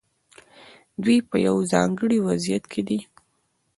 دوی په یو ځانګړي وضعیت کې دي.